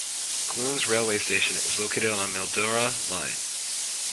Clunes railway station is located on the Mildura line.